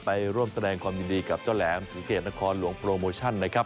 ไปร่วมแสดงความยินดีกับเจ้าแหลมศรีเกตนครหลวงโปรโมชั่นนะครับ